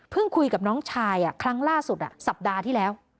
คุยกับน้องชายครั้งล่าสุดสัปดาห์ที่แล้ว